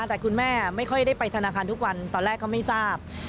แต่คุณแม่ไม่ค่อยได้ไปธนาคารทุกวันตอนแรกก็ไม่ทราบ